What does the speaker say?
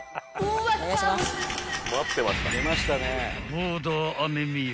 ［ボーダー雨宮］